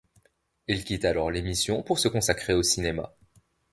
Il quitte alors l'émission, pour se consacrer au cinéma.